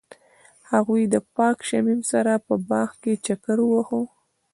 هغوی د پاک شمیم سره په باغ کې چکر وواهه.